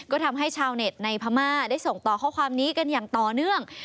ก็ทำให้ชาวเน็ตในพม่าได้ส่งต่อข้อความนี้กันอย่างต่อเนื่อง